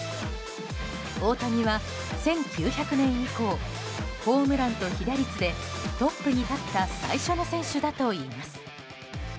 大谷は１９００年以降ホームランと被打率でトップに立った最初の選手だといいます。